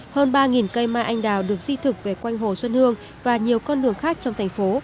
hơn ba cây mai anh đào được di thực về quanh hồ xuân hương và nhiều con đường khác trong thành phố